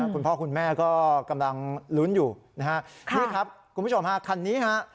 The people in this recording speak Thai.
คุณพ่อคุณแม่ก็กำลังลุ้นอยู่นะฮะนี่ครับคุณผู้ชมฮะคันนี้ฮะ